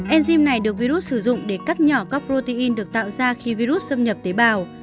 enzym này được virus sử dụng để cắt nhỏ các protein được tạo ra khi virus xâm nhập tế bào